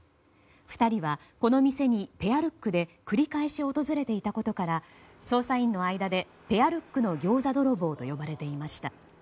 ２人はこの店にペアルックで繰り返し訪れていたことから捜査員の間でペアルックのギョーザ泥棒と呼ばれていました。